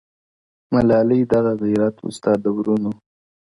ملالۍ دغه غیرت وو ستا د وروڼو؟!.